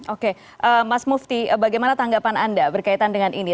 oke mas mufti bagaimana tanggapan anda berkaitan dengan ini